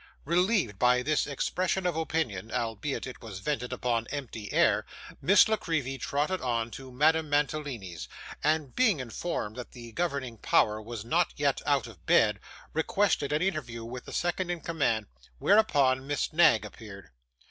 Relieved by this expression of opinion, albeit it was vented upon empty air, Miss La Creevy trotted on to Madame Mantalini's; and being informed that the governing power was not yet out of bed, requested an interview with the second in command; whereupon Miss Knag appeared.